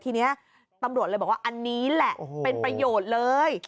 ทีนี้ตำรวจเลยบอกว่าอันนี้แหละเป็นประโยชน์เลย